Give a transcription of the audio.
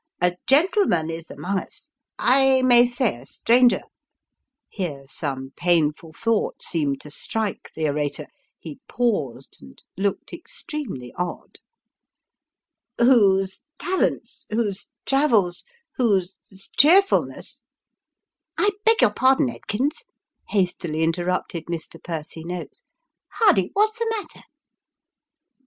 A gentleman is among us I may say a stranger (here some painful thought seemed to strike the orator ; ho paused, and looked extremely odd) whose talents, whoso travels, whose cheerfulness " I beg your pardon, Edkins," hastily interrupted Mr. Percy Noakes, " Hardy, what's the matter